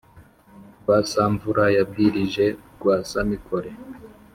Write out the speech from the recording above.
rwasamvura yabwirije rwasamikore,